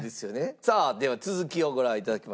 さあでは続きをご覧頂きましょう。